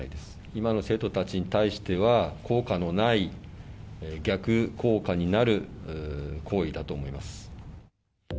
今の生徒たちに対しては、効果のない逆効果になる行為だと思います。